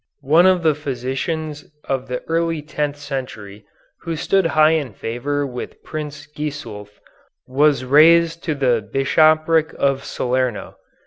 One of the physicians of the early tenth century who stood high in favor with Prince Gisulf was raised to the Bishopric of Salerno.